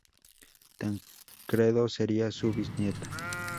Tancredo sería su bisnieto.